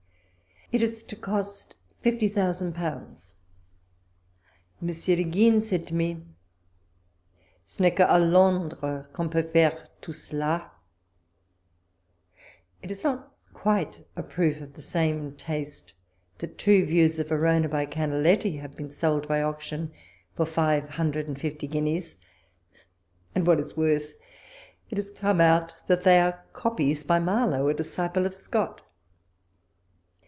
It is to cost fifty thousand pounds. Monsieur de Guisnes said to me '" Ce n'est qu'a Londres qu'on peut faire tout cela." It is not quite a proof of the same taste, that two views of Verona, by Canaletti, have been sold by auction for five hundred and fifty guineas ; and, what is worse, it is come out that they are copies by Marlow, a disciple of Scott.